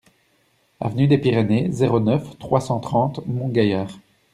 Avenue des Pyrénées, zéro neuf, trois cent trente Montgaillard